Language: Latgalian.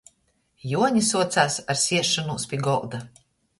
Juoni suocās ar siesšonūs pi golda.